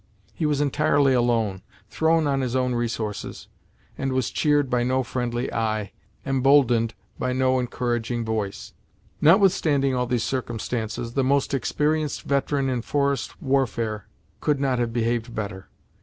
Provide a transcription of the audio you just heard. He was entirely alone, thrown on his own resources, and was cheered by no friendly eye, emboldened by no encouraging voice. Notwithstanding all these circumstances, the most experienced veteran in forest warfare could not have behaved better.